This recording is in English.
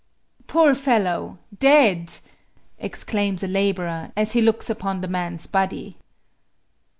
"Poor fellow! Dead!" exclaims a laborer, as he looks upon the man's body.